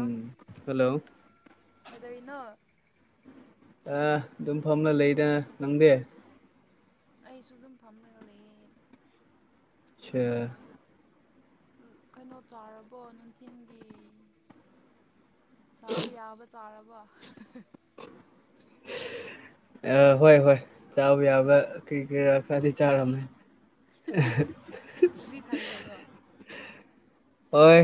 ꯑ ꯍꯜꯂꯣ ꯀꯩꯗꯧꯔꯤꯅꯣ ꯑ ꯑꯗꯨꯝ ꯐꯝꯂ ꯂꯩꯗ ꯅꯪꯗꯤ ꯑꯩꯁꯨ ꯑꯗꯨꯝ ꯐꯝꯔꯒ ꯂꯩꯌꯦ ꯁꯥ ꯀꯩꯅꯣ ꯆꯥꯔꯕꯣ ꯅꯨꯡꯊꯤꯟꯒꯤ ꯆꯥꯕ ꯌꯥꯕ ꯆꯥꯔꯕ [unintelligible] ꯑ ꯍꯣꯏ ꯍꯣꯏ ꯆꯥꯕ ꯌꯥꯕ ꯀꯔꯤ ꯀꯔꯤꯔꯥ ꯈꯔꯗꯤ ꯆꯥꯈꯔꯝꯅꯦ ꯄꯨꯛꯇꯤ ꯊꯟꯈ꯭ꯔꯦꯀꯣ ꯍꯣꯏ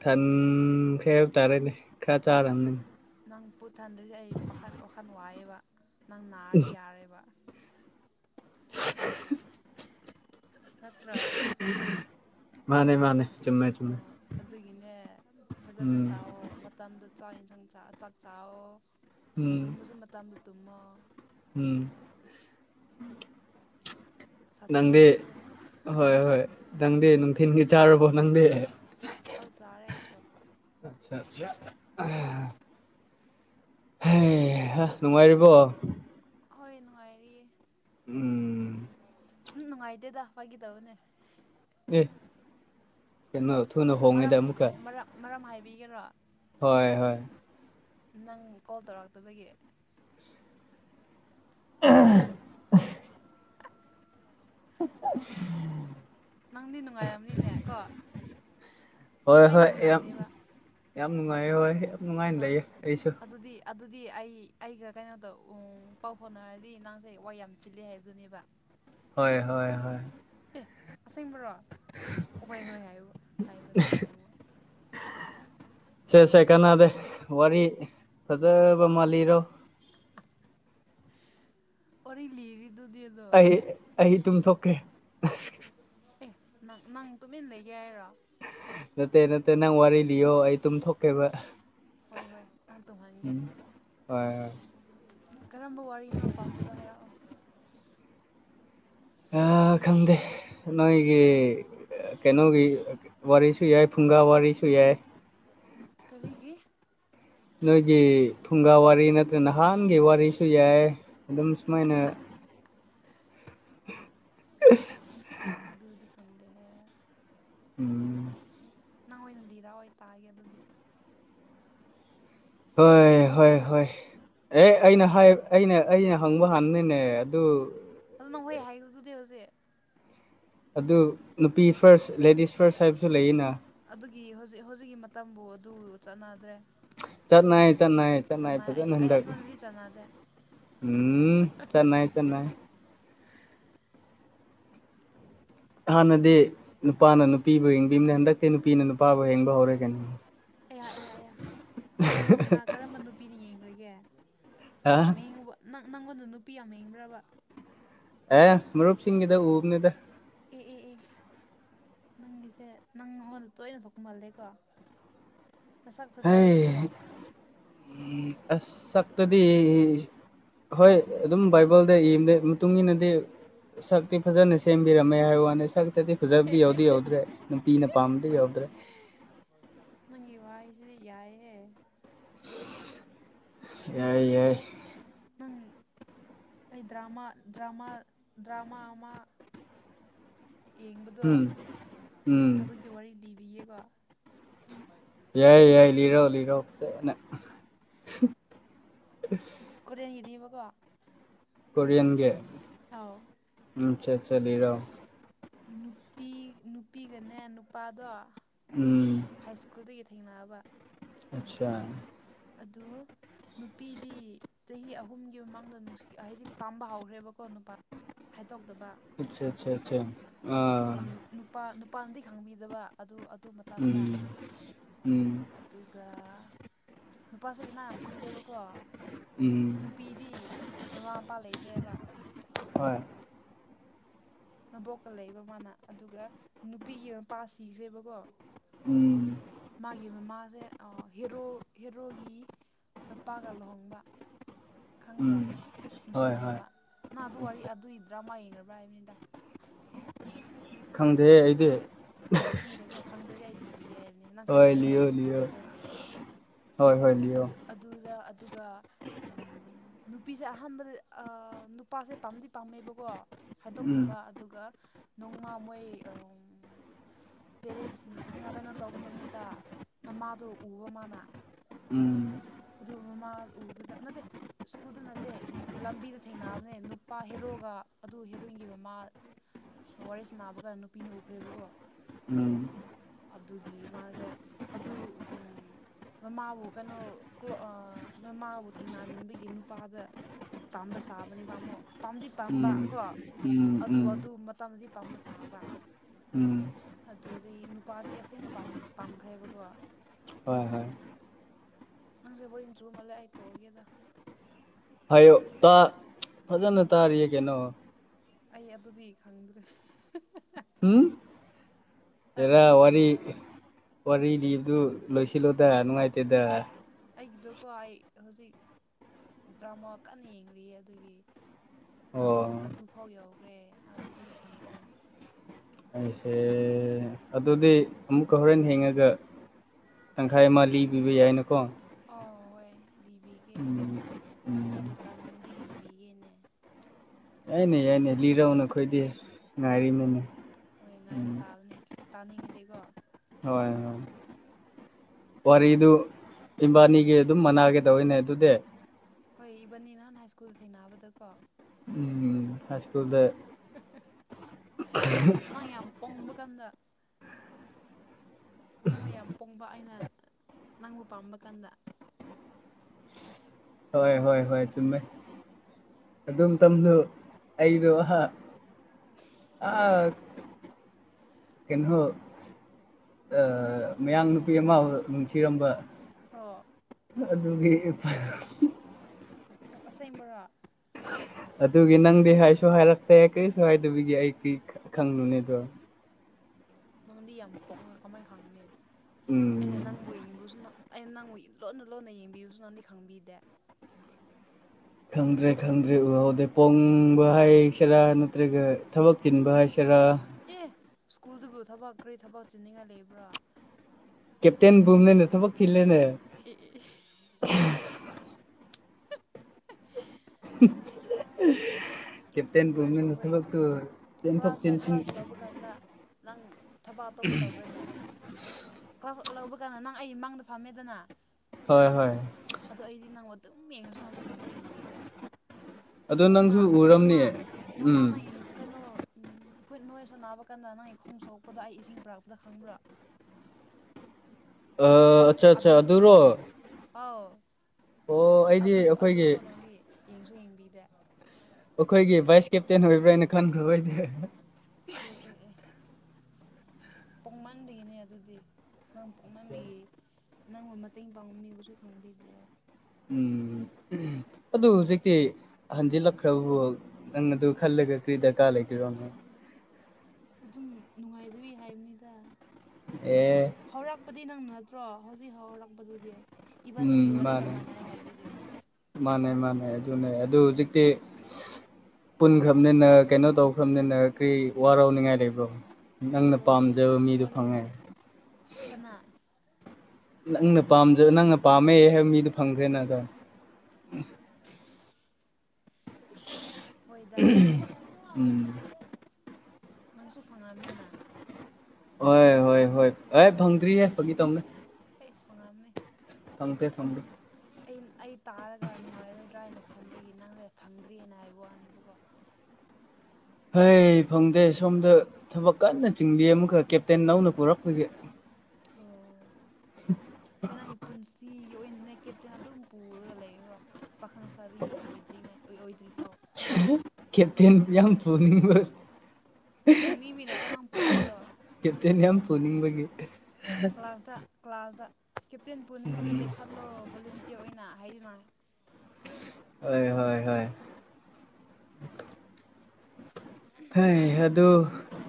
ꯊꯟꯈꯔꯦ ꯍꯥꯏꯕ ꯇꯥꯔꯦꯅꯦ ꯈꯔ ꯆꯥꯔꯅꯤꯅꯦ ꯅꯪ ꯄꯠꯊꯟꯗ꯭ꯔꯗꯤ ꯑꯩ ꯄꯥꯈꯠ ꯋꯥꯈꯟ ꯋꯥꯏꯑꯦꯕ ꯅꯪ ꯅꯥꯔꯗꯤ ꯌꯥꯔꯦꯕ [inaudible] ꯅꯠꯇꯔꯣ ꯃꯥꯅꯦ ꯃꯥꯅꯦ ꯆꯨꯝꯃꯦ ꯆꯨꯝꯃꯦ ꯑꯥ ꯑꯗꯨꯒꯤꯅꯦ ꯐꯖꯅ ꯎꯝ ꯆꯥꯎꯋꯣ ꯃꯇꯝꯗ ꯆꯥꯛ ꯌꯦꯟꯁꯥꯡ ꯆꯥꯛ ꯆꯥꯑꯣ ꯎꯝ ꯇꯨꯝꯕꯁꯨ ꯃꯇꯝꯗ ꯇꯨꯝꯃꯣ ꯎꯝ ꯅꯪꯗꯤ ꯁꯥꯊꯤꯒꯅꯨ ꯍꯣꯏ ꯍꯣꯏ ꯅꯪꯗꯤ ꯅꯨꯡꯊꯤꯟꯒꯤ ꯆꯥꯔꯕꯣ ꯅꯪꯗꯤ ꯑꯧ ꯆꯥꯔꯦ ꯑꯩꯁꯨ [unintelligible] ꯍꯩꯍꯥ ꯑꯗꯣ ꯅꯨꯡꯉꯥꯏꯔꯤꯕꯣ ꯀꯩꯗꯣ ꯍꯣꯏ ꯅꯨꯡꯉꯥꯏꯔꯤꯌꯦ ꯎꯝ ꯎꯝ ꯅꯨꯡꯉꯥꯏꯇꯦꯗ ꯐꯥꯒꯤ ꯇꯧꯕꯅꯦ ꯀꯦ ꯃꯔꯝ ꯃꯔꯝ ꯃꯔꯝ ꯍꯥꯏꯕꯤꯒꯦꯔꯣ ꯍꯣꯏ ꯍꯣꯏ ꯅꯪ ꯀꯣꯜ ꯇꯧꯔꯛꯇꯕꯒꯤ [unintelligible] [unintelligible] ꯅꯪꯗꯤ ꯅꯨꯡꯉꯥꯏꯔꯝꯅꯤꯅꯦ ꯀꯣ ꯍꯣꯏ ꯍꯣꯏ ꯅꯨꯡꯉꯥꯏꯅ ꯌꯥꯝ ꯍꯤꯡꯔꯝꯅꯦꯕ ꯌꯥꯝ ꯅꯨꯡꯉꯥꯏ ꯍꯣꯏ ꯅꯨꯡꯉꯥꯏꯅ ꯑ ꯂꯩꯌꯦ ꯑꯩꯁꯨ ꯑꯗꯨꯗꯤ ꯑꯗꯨꯗꯤ ꯑꯩ ꯑꯩꯒ ꯀꯩꯅꯣꯗꯣ ꯎ ꯄꯥꯎ ꯐꯥꯎꯅꯔꯗꯤ ꯅꯥꯡꯁꯦ ꯋꯥꯏ ꯌꯥꯝ ꯆꯤꯜꯂꯤ ꯍꯥꯏꯕꯗꯨꯅꯦꯕ ꯍꯣꯏ ꯍꯣꯏ ꯍꯣꯢ ꯑꯦ ꯑꯁꯦꯡꯕꯔꯣ ꯍꯣꯏ ꯍꯣꯏ ꯍꯥꯏꯌꯨ ꯍꯥꯏꯌꯨ ꯁꯥꯢꯑ ꯌꯦꯡꯉꯣ ꯍꯥ ꯁꯦ ꯁꯦ ꯀꯅꯥꯗꯦ ꯋꯥꯔꯤ ꯐꯖꯕ ꯃꯥ ꯂꯤꯔꯣ ꯑꯣꯔꯤ ꯂꯤꯔꯤꯗꯨꯗꯤ ꯑꯗꯣ ꯑꯩ ꯑꯩ ꯇꯨꯝꯊꯣꯛꯀꯦ ꯑꯦ ꯅꯪ ꯅꯪ ꯇꯨꯃꯤꯟ ꯂꯩꯒꯦ ꯍꯥꯏꯔꯣ ꯅꯠꯇꯦ ꯅꯠꯇꯦ ꯅꯪ ꯋꯥꯔꯤ ꯂꯤꯌꯣ ꯑꯩ ꯇꯨꯝꯊꯣꯛꯀꯦꯕ ꯍꯣꯏ ꯍꯣꯏ ꯅꯪ ꯇꯣꯡꯍꯟꯒꯦ ꯎꯝ ꯍꯣꯏ ꯍꯣꯏ ꯀꯔꯝꯕ ꯋꯥꯔꯤꯅꯣ ꯑꯄꯥꯝꯕꯗꯣ ꯍꯥꯏꯔꯛꯑꯣ ꯑ ꯈꯪꯗꯦ ꯅꯣꯏꯒꯤ ꯀꯩꯅꯣꯒꯤ ꯋꯥꯔꯤꯁꯨ ꯌꯥꯏ ꯐꯨꯡꯒꯥ ꯋꯥꯔꯤꯁꯨ ꯌꯥꯏ ꯀꯔꯤꯒꯤ ꯅꯣꯏꯒꯤ ꯐꯨꯡꯒꯥ ꯋꯥꯔꯤ ꯅꯠꯇ꯭ꯔꯒ ꯅꯍꯥꯟꯒꯤ ꯋꯥꯔꯤꯁꯨ ꯌꯥꯏ ꯑꯗꯨꯝ ꯁꯨꯃꯥꯏꯅ [unintelligible] ꯑꯗꯨꯗꯤ ꯈꯪꯗꯦꯍꯦ ꯎꯝ ꯅꯪ ꯑꯣꯏꯅ ꯂꯤꯔꯥꯑꯣ ꯑꯣꯏꯇꯥꯒꯦ ꯑꯗꯨꯗꯤ ꯍꯣꯏ ꯍꯣꯏ ꯍꯣꯏ ꯑꯦ ꯂꯤꯔꯛꯑꯣ ꯑꯩꯅ ꯍꯥꯏ ꯑꯩꯅ ꯑꯩꯅ ꯍꯪꯕ ꯍꯥꯟꯅꯤꯅꯦ ꯑꯗꯨ ꯑꯗꯨ ꯅꯍꯣꯏ ꯍꯥꯏꯌꯨ ꯑꯗꯨꯗꯤ ꯍꯧꯖꯤꯛ ꯑꯗꯨ ꯅꯨꯄꯤ ꯐꯥꯔꯁ ꯂꯦꯗꯤꯁ ꯐꯥꯔꯁ ꯍꯥꯏꯕꯁꯨ ꯂꯩꯌꯦꯅ ꯑꯗꯨꯒꯤ ꯍꯧꯖꯤꯛ ꯍꯧꯖꯤꯛꯀꯤ ꯃꯇꯝꯕꯨ ꯑꯗꯨ ꯆꯠꯅꯗ꯭ꯔꯦ ꯆꯠꯅꯩ ꯆꯠꯅꯩ ꯆꯠꯅꯩ ꯐꯖꯅ ꯍꯟꯗꯛ ꯑꯩꯉꯣꯟꯗꯗꯤ ꯆꯥꯟꯅꯗꯦ ꯎꯝ ꯆꯠꯅꯩ ꯆꯠꯅꯩ ꯍꯥꯟꯅꯗꯤ ꯅꯨꯄꯥꯅ ꯅꯨꯄꯤꯕꯨ ꯌꯦꯡꯕꯤꯕꯅꯦ ꯍꯟꯗꯛꯇꯤ ꯅꯨꯄꯤꯅ ꯅꯨꯄꯥꯕꯨ ꯌꯦꯡꯕ ꯍꯧꯔꯒꯅꯤ ꯑꯌꯥ ꯑꯌꯥ ꯑꯌꯥ ꯅꯪꯉꯣꯟꯗ ꯀꯅꯥ ꯀꯔꯝꯕ ꯅꯨꯄꯤꯅ ꯌꯦꯡꯒ꯭ꯔꯒꯦ ꯍꯥ ꯌꯥꯝ ꯌꯦꯡꯉꯨꯕ ꯅꯪ ꯅꯪꯉꯣꯟꯗ ꯅꯨꯄꯤ ꯌꯥꯝ ꯌꯦꯡꯕ꯭ꯔꯕ ꯑꯦ ꯃꯔꯨꯞꯁꯤꯡꯒꯤꯗ ꯎꯕꯅꯤꯗ ꯑꯦ ꯑꯦ ꯑꯦ ꯅꯪꯒꯤꯁꯦ ꯅꯪ ꯅꯉꯣꯟꯗ ꯇꯣꯏꯅ ꯊꯣꯛꯄ ꯃꯥꯜꯂꯦꯀꯣ ꯅꯁꯛ ꯍꯥꯏ ꯐꯖꯕꯤꯒꯤꯔꯣ ꯑꯁ ꯁꯛꯇꯨꯗꯤ ꯍꯣꯏ ꯑꯗꯨꯝ ꯕꯥꯏꯕꯜꯗ ꯏꯕꯅꯦ ꯃꯇꯨꯡꯏꯟꯅꯗꯤ ꯁꯛꯇꯤ ꯐꯖꯅ ꯁꯦꯝꯕꯤꯔꯝꯃꯦ ꯍꯥꯏꯕ ꯋꯥꯅꯤ ꯁꯛꯇꯗꯤ ꯐꯖꯕꯗꯤ ꯌꯥꯎꯗꯤ ꯌꯧꯗ꯭ꯔꯦ ꯅꯨꯄꯤꯅ ꯄꯥꯝꯕꯗꯤ ꯌꯧꯗ꯭ꯔꯦ ꯅꯪꯒꯤ ꯋꯥꯍꯩꯁꯤꯗꯤ ꯌꯥꯏꯍꯦ ꯌꯥꯏ ꯌꯥꯏ ꯅꯪ ꯑꯩ ꯗ꯭ꯔꯃꯥ ꯗ꯭ꯔꯃꯥ ꯗ꯭ꯔꯃꯥ ꯑꯃ ꯌꯦꯡꯕꯗꯣ ꯎꯝ ꯎꯝ ꯑꯗꯨꯒꯤ ꯋꯥꯔꯤ ꯂꯤꯕꯤꯌꯦꯀꯣ ꯌꯥꯏ ꯌꯥꯏ ꯂꯤꯔꯣ ꯂꯤꯔꯣ ꯁꯦ ꯅ ꯀꯣꯔꯦꯌꯟꯒꯤꯗꯤꯕꯀꯣ ꯀꯣꯔꯤꯌꯥꯟꯒꯤ ꯑꯥꯎ ꯎꯝ ꯁꯠ ꯁꯠ ꯂꯤꯔꯣ ꯅꯨꯄꯤ ꯅꯨꯄꯤꯒꯅꯦ ꯅꯨꯄꯥꯗꯣ ꯎꯝ ꯍꯥꯏ ꯁ꯭ꯀꯨꯜꯗꯒꯤ ꯊꯦꯡꯅꯕ ꯑꯆꯥꯥ ꯑꯗꯨ ꯅꯨꯄꯤꯗꯤ ꯆꯍꯤ ꯑꯍꯨꯝꯒꯤ ꯃꯃꯥꯡꯗ ꯅꯨꯡꯁꯤ ꯍꯥꯏꯗꯤ ꯄꯥꯝꯕ ꯍꯧꯈ꯭ꯔꯦꯕꯀꯣ ꯅꯨꯄꯥ ꯍꯥꯏꯗꯣꯛꯇꯕ ꯑꯠꯆꯥ ꯆꯥ ꯆꯥ ꯑꯗꯨꯒ ꯅꯨꯄꯥ ꯅꯨꯄꯥꯅꯗꯤ ꯈꯪꯕꯤꯗꯕ ꯑꯗꯨ ꯑꯗꯨ ꯃꯇꯝꯗ ꯎꯝ ꯎꯝ ꯑꯗꯨꯒ ꯅꯨꯄꯥꯁꯤ ꯏꯅꯥꯛ ꯌꯥꯝ ꯈꯨꯜꯂꯦꯕꯀꯣ ꯎꯝ ꯅꯨꯄꯤ ꯗꯤ ꯃꯃꯥ ꯃꯄꯥ ꯂꯩꯇ꯭ꯔꯦꯕ ꯍꯣꯏ ꯃꯕꯣꯛꯀ ꯂꯩꯕ ꯃꯥꯅ ꯑꯗꯨꯒ ꯅꯨꯄꯤꯒꯤ ꯃꯄꯥ ꯁꯤꯈ꯭ꯔꯦꯕꯀꯣ ꯎꯝ ꯃꯥꯒꯤ ꯃꯃꯥꯁꯦ ꯑ ꯍꯦꯔꯣ ꯍꯦꯔꯣꯒꯤ ꯃꯄꯥꯒ ꯂꯨꯍꯣꯡꯕ ꯎꯝ ꯈꯪꯕ꯭ꯔꯥ ꯍꯣꯏ ꯍꯣꯏ ꯅꯨꯡꯁꯤꯅꯕ ꯅꯪ ꯑꯗꯨꯏ ꯋꯥꯔꯤ ꯑꯗꯨꯒꯤ ꯗ꯭ꯔꯃꯥ ꯌꯦꯡꯉꯕ꯭ꯔꯥ ꯍꯥꯏꯕꯅꯤꯗ ꯈꯪꯗꯦꯍꯦ ꯑꯩꯗꯤ ꯈꯪꯗꯦꯀꯣ ꯈꯪꯗ꯭ꯔꯗꯤ ꯑꯩꯗꯤ ꯕꯤꯒꯦ ꯍꯥꯏꯕꯅꯤ ꯅꯪ ꯍꯣꯏ ꯈꯪꯉꯗꯤ ꯑꯩ ꯂꯤꯌꯣ ꯂꯤꯌꯣ ꯏꯟꯇ꯭ꯔꯦꯁ ꯂꯩꯇꯦꯕ ꯍꯣꯏ ꯍꯣꯏ ꯂꯤꯌꯣ ꯑꯗꯨꯂ ꯑꯗꯨꯒ ꯎꯝ ꯅꯨꯄꯤꯁꯦ ꯑꯍꯥꯟꯕꯗ ꯑ ꯅꯨꯄꯥꯁꯦ ꯄꯥꯝꯗꯤ ꯄꯥꯝꯃꯦꯕꯀꯣ ꯎꯝ ꯍꯥꯏꯗꯣꯛꯇꯕ ꯑꯗꯨꯒ ꯅꯣꯡꯃ ꯃꯣꯏ ꯄꯦꯔꯦꯟꯁ ꯃꯤꯇꯤꯡꯂ ꯀꯩꯅꯣ ꯇꯧꯕ ꯅꯨꯃꯤꯠꯇ ꯃꯃꯥꯗꯣ ꯎꯕ ꯃꯥꯅ ꯎꯝ ꯑꯗꯨ ꯃꯃꯥ ꯎꯕꯗ ꯅꯠꯇꯦ ꯁ꯭ꯀꯨꯜꯗ ꯅꯠꯇꯦ ꯂꯝꯕꯤꯗ ꯊꯦꯡꯅꯕꯅꯦ ꯅꯨꯄꯥ ꯍꯦꯔꯣꯒ ꯑꯗꯨ ꯍꯦꯔꯣꯏꯟꯒꯤ ꯃꯃꯥ ꯋꯥꯔꯤ ꯁꯥꯟꯅꯕ ꯀꯥꯟ ꯅꯨꯄꯤꯅ ꯎꯈ꯭ꯔꯦꯕꯀꯣ ꯎꯝ ꯑꯗꯨꯒꯤ ꯃꯥꯁꯦ ꯑꯗꯨ ꯎꯝ ꯃꯃꯥꯕꯨ ꯀꯩꯅꯣ ꯀ꯭ꯂꯣ ꯑ ꯃꯃꯥꯕꯨ ꯊꯦꯡꯅꯅꯤꯡꯕꯒꯤ ꯅꯨꯄꯥꯗ ꯄꯥꯝꯕ ꯁꯥꯕꯅꯦꯕ ꯑꯃꯨꯛ ꯄꯥꯝꯗꯤ ꯄꯥꯝꯕ ꯎꯝ ꯀꯣ ꯎꯝ ꯑꯗꯨ ꯎꯝ ꯑꯗꯨ ꯃꯇꯝꯗꯤ ꯄꯥꯝꯕ ꯁꯥꯥꯕ ꯎꯝ ꯑꯗꯨꯗꯩ ꯅꯨꯄꯥꯗꯤ ꯑꯁꯦꯡꯕ ꯄꯥꯝꯕꯩ ꯄꯥꯝꯈ꯭ꯔꯦꯕꯀꯣ ꯍꯣꯏ ꯍꯣꯏ ꯅꯪꯁꯦ ꯕꯣꯔꯤꯡ ꯆꯨꯕ ꯃꯥꯜꯂꯦ ꯑꯩ ꯇꯣꯛꯑꯒꯦꯗ ꯍꯥꯏꯌꯣ ꯇꯥ ꯑꯁ ꯐꯖꯅ ꯇꯜꯂꯦ ꯇꯥꯔꯤꯌꯦ ꯀꯩꯅꯣ ꯑꯩ ꯑꯗꯨꯗꯤ ꯈꯪꯗ꯭ꯔꯦ [inaudible] ꯎꯝ ꯑꯦꯔꯥ ꯑꯗꯨꯗꯤ ꯋꯥꯔꯤ ꯈꯪꯗ꯭ꯔꯦꯕ ꯋꯥꯔꯤ ꯂꯤꯕꯗꯨ ꯂꯣꯏꯁꯤꯜꯂꯨꯗ ꯅꯨꯡꯉꯥꯏꯇꯦꯗ ꯑꯩꯒꯤꯗꯀꯣ ꯑꯩ ꯍꯧꯖꯤꯛ ꯗ꯭ꯔꯃꯥ ꯀꯟꯅ ꯌꯦꯡꯂꯤꯌꯦ ꯑꯗꯨꯒꯤ ꯑꯣ ꯑꯗꯨ ꯑꯗꯨꯐꯥꯎ ꯌꯧꯈ꯭ꯔꯦ ꯑꯗꯨꯗꯒꯤ ꯈꯪꯗ꯭ꯔꯦ ꯑꯩꯍꯦ ꯑꯗꯨꯗꯤ ꯑꯃꯨꯛꯀ ꯍꯣꯔꯦꯟ ꯍꯦꯡꯉꯒ ꯇꯪꯈꯥꯏ ꯑꯃ ꯂꯤꯕꯤꯕ ꯌꯥꯏꯅꯀꯣ ꯑꯧ ꯍꯣꯏ ꯂꯤꯕꯤꯒꯦ ꯎꯝ ꯎꯝ ꯅꯪꯅꯕꯨ ꯇꯥꯅꯤꯡꯉꯗꯤ ꯂꯤꯕꯤꯒꯦꯅꯦ ꯌꯥꯏꯅꯦ ꯌꯥꯏꯅꯦ ꯂꯤꯔꯛꯎꯅꯦ ꯑꯩꯈꯣꯏꯗꯤ ꯍꯣꯏ ꯍꯣꯏ ꯉꯥꯏꯕ ꯇꯥꯕꯅꯦ ꯇꯥꯅꯤꯡꯉꯤꯗꯤꯀꯣ ꯍꯣꯏ ꯍꯣꯏ ꯋꯥꯔꯤꯗꯨ ꯏꯝꯕꯥꯅꯤꯒꯤ ꯑꯗꯨꯝ ꯃꯅꯥꯒꯦ ꯇꯧꯋꯦꯅꯦ ꯑꯗꯨꯗꯤ ꯍꯣꯏ ꯏꯕꯟꯅꯤ ꯅꯍꯥꯟ ꯍꯥꯏ ꯁ꯭ꯀꯨꯜ ꯊꯦꯡꯅꯕꯗꯀꯣ ꯎꯝ ꯍꯥꯏ ꯁ꯭ꯀꯨꯜꯗ ꯅꯪ ꯌꯥꯝ ꯄꯣꯡꯕ ꯀꯥꯟꯗ ꯅꯪꯅ ꯌꯥꯝ ꯄꯣꯡꯕ ꯑꯩꯅ ꯅꯪꯕꯨ ꯄꯝꯕ ꯀꯥꯟꯗ ꯍꯣꯏ ꯍꯣꯏ ꯍꯣꯏ ꯆꯨꯝꯃꯦ ꯑꯗꯨ ꯃꯇꯝꯗꯨ ꯑꯩꯗꯣ ꯑꯍꯥ ꯑ ꯀꯩꯅꯣ ꯑ ꯃꯌꯥꯡ ꯅꯨꯄꯤ ꯑꯃ ꯅꯨꯡꯁꯤꯔꯝꯕ ꯑꯣ ꯑꯗꯨꯒꯤ ꯐ ꯑꯁ ꯑꯁꯦꯡꯕꯔꯥ ꯑꯗꯨꯒꯤ ꯅꯪꯗꯤ ꯍꯥꯏꯁꯨ ꯍꯥꯏꯔꯛꯇꯦ ꯀꯔꯤꯁꯨ ꯍꯥꯏꯗꯕꯤꯒꯦ ꯑꯩ ꯀꯔꯤ ꯈꯪꯂꯨꯅꯤꯗꯣ ꯅꯪꯗꯤ ꯌꯥꯝ ꯄꯣꯡꯉ ꯀꯃꯥꯏ ꯈꯪꯅꯤ ꯎꯝ ꯑꯩꯅ ꯅꯪꯕꯨ ꯌꯦꯡꯕꯁꯨ ꯅ ꯑꯩ ꯅꯪꯕꯨ ꯂꯣꯟꯅ ꯂꯣꯟꯅ ꯌꯦꯡꯕꯤꯕꯁꯨ ꯅꯪꯗꯤ ꯈꯪꯕꯤꯗꯦ ꯈꯪꯗ꯭ꯔꯦ ꯈꯪꯗ꯭ꯔꯦ ꯎꯍꯧꯗꯦ ꯄꯣꯡꯕ ꯍꯥꯏꯁꯤꯔꯥ ꯅꯠꯇ꯭ꯔꯒ ꯊꯕꯛ ꯆꯤꯟꯕ ꯍꯥꯏꯁꯤꯔꯥ ꯑꯦ ꯁ꯭ꯀꯨꯜꯗꯕꯨ ꯊꯕꯛ ꯀꯔꯤ ꯊꯕꯛ ꯆꯤꯟꯅꯤꯡꯉꯥꯏ ꯂꯩꯕ꯭ꯔꯥ ꯀꯦꯞꯇꯦꯟ ꯄꯨꯕꯅꯤꯅꯦ ꯊꯕꯛ ꯆꯤꯜꯂꯦꯅꯦ ꯑꯦ ꯑꯦ [unintelligible] [unintelligible] ꯀꯦꯞꯇꯦꯟ ꯀꯦꯞꯇꯦꯟꯕꯨ ꯑꯣꯏꯔꯁꯨ ꯄꯨꯝꯅꯤꯅꯥ ꯑꯩꯈꯣꯏ ꯊꯕꯛꯇꯨ ꯆꯦꯟꯊꯣꯛ ꯆꯦꯟꯁꯤꯟ ꯀꯟꯗ ꯅꯪ ꯊꯕꯛ ꯑꯇꯣꯞꯄꯥ ꯇꯧꯕ꯭ꯔꯅꯦ ꯀ꯭ꯂꯥꯁ ꯂꯧꯕꯀꯥꯟꯗ ꯅꯪ ꯑꯩꯒꯤ ꯃꯥꯡꯗ ꯐꯝꯃꯦꯗꯅ ꯍꯣꯏ ꯍꯣꯏ ꯑꯗꯣ ꯑꯩꯗꯤ ꯅꯪꯕꯨ ꯑꯗꯨꯝ ꯌꯦꯡꯉꯁꯨ ꯅꯪꯗꯤ ꯌꯦꯡꯁꯨ ꯌꯦꯡꯕꯤꯗꯦ ꯑꯗꯨ ꯅꯣꯡꯃ ꯅꯪꯁꯨ ꯎꯔꯝꯅꯤ ꯅꯣꯡꯃ ꯅꯣꯡꯃ ꯎꯝ ꯅꯪꯏꯟ ꯀꯩꯅꯣ ꯎꯝ ꯑꯈꯣꯏ ꯅꯣꯏ ꯁꯅꯥꯕ ꯀꯥꯟꯗ ꯅꯪꯒꯤ ꯈꯣꯡ ꯁꯣꯛꯄꯗ ꯑꯩ ꯏꯁꯤꯡ ꯄꯨꯔꯛꯄꯗꯣ ꯈꯪꯕ꯭ꯔꯣ ꯑ ꯑꯠꯆꯥ ꯑꯠꯆꯥ ꯑꯗꯨꯁꯨ ꯑꯗꯨꯔꯣ ꯈꯪꯔꯝꯃꯣꯏ ꯑꯥꯎ ꯑꯣ ꯑꯩꯗꯤ ꯑꯗꯨ ꯑꯩꯈꯣꯏꯒꯤ ꯑꯗꯨꯐꯣ ꯅꯪꯗꯤ ꯌꯦꯡꯁꯨ ꯌꯦꯡꯕꯤꯗꯦ ꯑꯈꯣꯏꯒꯤ ꯚꯥꯏꯁ ꯀꯦꯞꯇꯦꯟ ꯑꯣꯏꯕ꯭ꯔꯥꯅ ꯈꯟꯈ꯭ꯔꯕ ꯑꯩꯗꯤ ꯑꯦ ꯑꯦ ꯑꯦ ꯄꯣꯡꯃꯟꯕꯒꯤꯅꯦ ꯑꯗꯨꯗꯤ ꯅꯪ ꯄꯣꯡꯃꯟꯕꯒꯤ ꯅꯪꯕꯨ ꯃꯇꯦꯡ ꯄꯥꯡꯕ ꯃꯤꯕꯨꯁꯨ ꯈꯪꯕꯤꯗ꯭ꯔꯦꯕ ꯎꯝ ꯑꯗꯨ ꯍꯧꯖꯤꯛꯇꯤ ꯍꯟꯖꯤꯜꯂꯛꯈ꯭ꯔꯕꯣ ꯅꯪ ꯑꯗꯨ ꯈꯜꯂꯒ ꯀꯔꯤ ꯗꯔꯀꯥꯔ ꯂꯩꯒꯦꯔꯣꯅꯦ ꯑꯗꯨꯝ ꯅꯨꯡꯉꯥꯏꯗꯕꯩ ꯍꯥꯏꯕꯅꯤꯗ ꯑꯦ ꯍꯧꯔꯛꯄꯗꯤ ꯅꯪ ꯅꯠꯇ꯭ꯔꯣ ꯍꯧꯖꯤꯛ ꯍꯧꯔꯛꯄꯗꯨꯗꯤ ꯏꯕꯥꯅꯤꯒꯤ ꯎꯝ ꯋꯥꯔꯤꯒ ꯃꯥꯅꯦ ꯃꯥꯟꯅꯩ ꯍꯥꯏꯕꯗꯨꯗꯤ ꯃꯥꯅꯦ ꯃꯥꯅꯦ ꯑꯗꯨꯅꯦ ꯑꯗꯨ ꯍꯨꯖꯤꯛꯇꯤ ꯄꯨꯟꯈ꯭ꯔꯝꯅꯤꯅ ꯀꯩꯅꯣ ꯇꯧꯈ꯭ꯔꯝꯅꯤꯅ ꯀꯔꯤ ꯋꯥꯔꯧꯅꯤꯉꯥꯏ ꯂꯩꯕ꯭ꯔꯣ ꯍꯦ ꯅꯪꯅ ꯋꯥꯔꯧꯔꯣꯏꯗ ꯄꯥꯝꯖꯕ ꯃꯤꯗꯣ ꯐꯪꯉꯦ ꯋꯥꯔꯧꯗ꯭ꯔꯦ ꯀꯅꯥ ꯅꯪꯅ ꯄꯥꯝꯖ ꯅꯪꯅ ꯄꯥꯝꯃꯦ ꯍꯥꯏꯕ ꯃꯤꯗꯣ ꯐꯪꯈ꯭ꯔꯅꯦ ꯑꯗꯣ [inaudible] ꯍꯣꯏꯗ ꯎꯝ ꯅꯪꯁꯨ ꯐꯪꯉꯝꯅꯤꯅ ꯍꯣꯏ ꯍꯣꯏ ꯍꯣꯏ ꯑꯦ ꯐꯪꯗ꯭ꯔꯤꯌꯦ ꯐꯒꯤ ꯇꯧꯅꯦ ꯏꯁ ꯐꯪꯂꯝꯅꯤ ꯐꯪꯇꯦ ꯐꯪꯗꯦ ꯑꯩ ꯑꯩ ꯇꯥꯔꯒ ꯅꯨꯡꯉꯥꯏꯔꯣꯏꯗ꯭ꯔꯥ ꯍꯥꯏꯅ ꯈꯟꯕꯒꯤ ꯅꯪꯅ ꯐꯪꯗ꯭ꯔꯤꯅ ꯍꯥꯏꯕ ꯋꯥꯅꯦꯕꯀꯣ ꯑꯩ ꯐꯪꯗꯦ ꯁꯣꯝꯗ ꯊꯕꯛ ꯀꯟꯅ ꯆꯤꯡꯂꯤ ꯑꯃꯨꯛꯈꯛ ꯀꯦꯞꯇꯦꯟ ꯅꯧꯅ ꯄꯨꯔꯛꯄꯒꯤ ꯑꯣ ꯑꯩꯈꯣꯏ ꯅꯪꯒꯤ ꯄꯨꯟꯁꯤ [unintelligible] ꯀꯦꯞꯇꯦꯟ ꯑꯗꯨꯝ ꯄꯨꯔꯒ ꯂꯩꯒꯔꯣ ꯄꯥꯈꯪ ꯁꯥꯥꯔꯤ ꯑꯣꯏꯗ꯭ꯔꯤꯉꯩ ꯑꯣꯏꯗ꯭ꯔꯤ ꯐꯥꯎ ꯀꯦꯞꯇꯦꯟ ꯌꯥꯝ ꯄꯨꯅꯤꯡꯕ ꯄꯨꯅꯤꯃꯤ ꯅꯠꯇ꯭ꯔꯣ ꯅꯪ ꯄꯨꯕꯗꯣ ꯀꯦꯞꯇꯦꯟ ꯌꯥꯝ ꯄꯨꯅꯤꯡꯕꯒꯤ ꯀ꯭ꯂꯥꯁꯇ ꯀ꯭ꯂꯥꯁꯇ ꯀꯦꯞꯇꯦꯟ ꯄꯨꯅꯤꯡ ꯃꯤ ꯂꯦꯞꯈꯠꯂꯣ ꯕꯣꯂꯦꯟꯇꯤꯌꯔ ꯑꯣꯏꯅ ꯍꯥꯏꯗꯅ ꯍꯣꯏ ꯍꯣꯏ ꯍꯣꯏ ꯍꯣꯏ ꯑꯗꯨ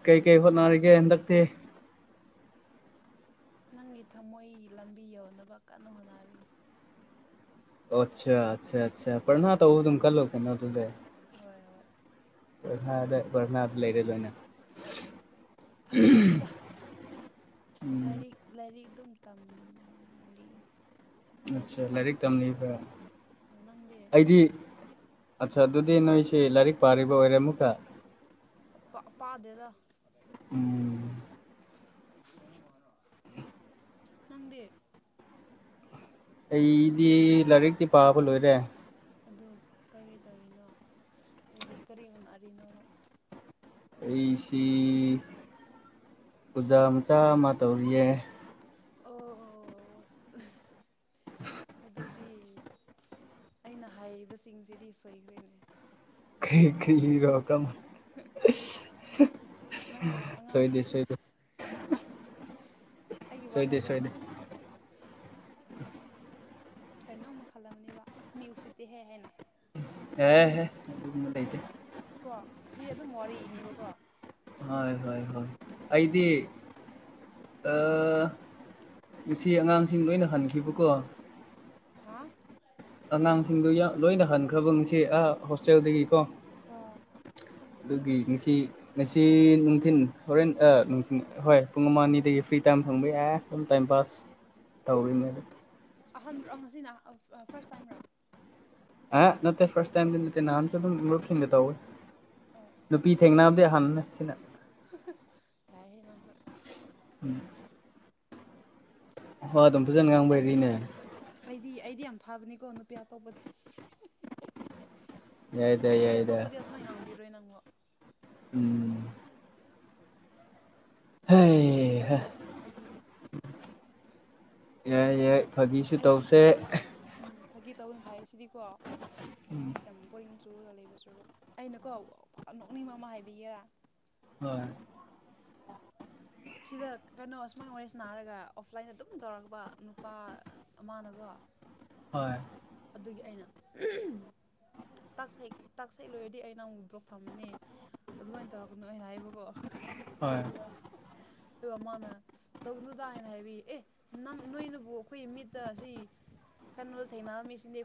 ꯀꯩꯀꯩ ꯍꯣꯠꯅꯔꯤꯒꯦ ꯍꯟꯗꯛꯇꯤ ꯅꯪꯒꯤ ꯊꯃꯣꯏ ꯂꯝꯕꯤ ꯌꯧꯅꯕ ꯀꯟꯅ ꯍꯣꯠꯅꯔꯤꯌꯦ ꯑꯣ ꯑꯁꯥ ꯑꯁꯥ ꯑꯁꯥ [unintelligible] ꯇꯧꯕ ꯑꯗꯨꯝ ꯀꯜꯂꯣ ꯀꯩꯅꯣ ꯑꯗꯨꯗꯤ ꯍꯣꯏ ꯍꯣꯏ [unintelligible] ꯄꯔꯅꯥꯗ ꯂꯩꯔꯦꯗꯅ ꯐꯒꯤ ꯇꯧꯕꯅꯤꯗ ꯂꯥꯏꯔꯤꯛ ꯂꯥꯏꯔꯤꯛ ꯑꯗꯨꯝ ꯇꯝꯂꯤꯌꯦ ꯑꯠꯁꯥ ꯂꯥꯏꯔꯤꯛ ꯇꯝꯂꯤꯕ꯭ꯔꯥ ꯑꯗꯣ ꯅꯪꯗꯤ ꯑꯩꯗꯤ ꯑꯠꯁꯥ ꯑꯗꯨꯗꯤ ꯅꯣꯏꯁꯦ ꯂꯥꯏꯔꯤꯛ ꯄꯥꯔꯤꯕ ꯑꯣꯏꯔꯦ ꯑꯃꯨꯛꯀ ꯄꯥ ꯄꯥꯗꯦꯗ ꯎꯝ ꯅꯪꯗꯤ ꯑꯩꯗꯤ ꯂꯥꯏꯔꯤꯛꯇꯤ ꯄꯥꯕ ꯂꯣꯏꯔꯦ ꯑꯗꯣ ꯀꯩ ꯀꯩ ꯇꯧꯔꯤꯅꯣ ꯍꯥꯏꯗꯤ ꯀꯔꯤ ꯍꯣꯠꯅꯔꯤꯅꯣꯕ ꯑꯩꯁꯤ ꯄꯨꯖꯥ ꯃꯆꯥ ꯑꯃ ꯇꯧꯔꯤꯌꯦ ꯑꯣ ꯑꯗꯨꯗꯤ ꯑꯩꯅ ꯍꯥꯏꯕꯁꯤꯡꯁꯤꯗꯤ ꯁꯣꯏꯈ꯭ꯔꯦꯅꯦ ꯀ꯭ꯔꯤ ꯀ꯭ꯔꯤꯔꯣ ꯀꯔꯝ ꯅꯪꯕꯨ ꯑꯉꯥꯡ ꯁꯣꯏꯗꯦ ꯁꯣꯏꯗꯦ ꯑꯩꯒꯤ ꯁꯣꯏꯗꯦ ꯋꯥꯍꯩꯗ ꯁꯣꯏꯗꯦ ꯅꯪ ꯀꯩꯅꯣꯝꯃ ꯈꯜꯂꯝꯅꯦꯕ ꯑꯁ ꯃꯤ ꯎꯁꯤꯠꯇꯦꯍꯦ ꯍꯥꯏꯅ ꯌꯥꯔꯦꯍꯦ ꯑꯗꯨꯒꯨꯝꯕ ꯂꯩꯇꯦ ꯀꯣ ꯑꯁꯤ ꯑꯗꯨꯝ ꯋꯥꯔꯤꯅꯤꯕ ꯀꯣ ꯍꯣꯏ ꯍꯣꯏ ꯍꯣꯏ ꯑꯩꯗꯤ ꯑꯥ ꯉꯁꯤ ꯑꯉꯥꯡꯁꯤꯡ ꯂꯣꯏꯅ ꯍꯟꯈꯤꯕꯀꯣ ꯍꯥꯥ ꯑꯉꯥꯡꯁꯤꯡꯗꯨ ꯌꯥ ꯂꯣꯏꯅ ꯍꯟꯈ꯭ꯔꯕ ꯉꯁꯤ ꯑꯥ ꯍꯣꯁꯇꯦꯜꯗꯒꯤꯀꯣ ꯍꯣꯏ ꯑꯗꯨꯒꯤ ꯉꯁꯤ ꯉꯁꯤ ꯅꯨꯡꯊꯤꯟ ꯍꯣꯔꯦꯟ ꯑ ꯅꯨꯡꯊꯤꯟ ꯍꯣꯏ ꯄꯨꯡ ꯑꯃꯅꯤꯗꯒꯤ ꯐ꯭ꯔꯤ ꯇꯥꯏꯝ ꯐꯪꯕ ꯌꯥꯏ ꯑꯗꯨꯝ ꯇꯥꯏꯝ ꯄꯥꯁ ꯇꯧꯔꯤꯅꯦ ꯑꯥ ꯑꯗꯨꯝ ꯑꯍꯥꯟꯕꯔꯣ ꯉꯁꯤꯅ [unintelligible] ꯐꯥꯔꯁ ꯇꯥꯏꯝꯔꯣ ꯑꯦ ꯅꯠꯇꯦ ꯐꯥꯔꯁ ꯇꯥꯏꯝꯗꯤ ꯅꯠꯇꯦ ꯅꯥꯍꯟꯁꯨ ꯑꯗꯨꯝ ꯃꯔꯨꯞꯁꯤꯡꯒ ꯇꯧꯏ ꯑꯣ ꯅꯨꯄꯤ ꯊꯦꯡꯅꯕꯗꯤ ꯑꯍꯟꯕꯅꯦ ꯁꯤꯅ [unintelligible] ꯌꯥꯏꯍꯦ ꯅꯪꯁꯨ ꯎꯝ ꯑꯗꯨꯝ ꯐꯖꯅ ꯑꯩ ꯑꯩꯗꯤ ꯉꯥꯡꯕꯩꯔꯤꯅꯦ ꯑꯩꯗꯤ ꯑꯩꯗꯤ ꯌꯥꯝ ꯐꯥꯕꯅꯤꯀꯣ ꯅꯨꯄꯤ ꯑꯇꯣꯞꯄꯗꯤ ꯌꯥꯏꯗ ꯅꯨꯄꯤ ꯌꯥꯏꯗ ꯑꯇꯣꯞꯄꯗꯤ ꯑꯁꯨꯃꯥꯏꯅ ꯉꯥꯡꯕꯤꯔꯣꯏ ꯅꯪꯕꯨ ꯎꯝ ꯐꯥꯒꯤ ꯍꯩ ꯍꯥ ꯇꯧꯕꯅꯤꯗ ꯐꯥꯒꯤꯅꯦ ꯌꯥꯏ ꯌꯥꯏ ꯐꯥꯕꯁꯨ ꯑꯩ ꯇꯧꯁꯦ ꯎꯝ ꯐꯥꯒꯤ ꯇꯧꯕꯅ ꯐꯩ ꯁꯤꯗꯤꯀꯣ ꯎꯝ ꯌꯥꯝ ꯕꯣꯔꯤꯡ ꯆꯨꯔꯒ ꯂꯩꯕ ꯁꯔꯨꯛ ꯑꯩꯅꯀꯣ ꯅꯣꯛꯅꯤꯡꯕ ꯑꯃ ꯍꯥꯏꯕꯤꯒꯦꯔꯥ ꯍꯣꯏ ꯁꯤꯗ ꯀꯩꯅꯣ ꯑꯁꯨꯃꯥꯏꯅ ꯋꯥꯔꯤ ꯁꯅꯥꯔꯒ ꯑꯣꯐꯂꯥꯏꯟꯗ ꯑꯗꯨꯝ ꯇꯧꯔꯛꯄ ꯅꯨꯄꯥ ꯑꯃꯅꯒꯣ ꯍꯣꯏ ꯑꯗꯨꯒꯤ ꯑꯩꯅ ꯇꯥꯁꯛ ꯍꯦꯛ ꯇꯥꯁꯛ ꯍꯦꯛ ꯂꯣꯏꯔꯗꯤ ꯑꯩ ꯅꯪꯕꯨ ꯕ꯭ꯂꯣꯛ ꯊꯝꯃꯅꯤ ꯑꯗꯨꯃꯥꯏꯅ ꯇꯧꯔꯛꯀꯅꯨ ꯑꯩꯅ ꯍꯥꯏꯕꯀꯣ ꯍꯣꯏ ꯑꯗꯨꯒ ꯃꯥꯅ ꯇꯧꯒꯅꯨꯗ ꯍꯥꯏꯅ ꯍꯥꯏꯕꯤ ꯑꯦ ꯅꯪ ꯅꯣꯏꯅꯕꯨ ꯑꯩꯈꯣꯏ ꯃꯤꯠꯇ ꯁꯤ ꯀꯟꯅ ꯊꯦꯡꯅꯕ ꯃꯤꯁꯤꯡꯗꯤ